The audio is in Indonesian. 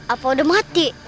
apa udah mati